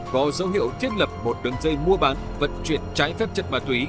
có dấu hiệu thiết lập một đường dây mua bán vận chuyển trái phép chất ma túy